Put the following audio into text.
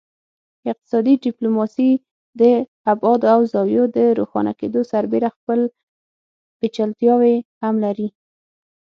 اقتصادي ډیپلوماسي د ابعادو او زاویو د روښانه کیدو سربیره خپل پیچلتیاوې هم لري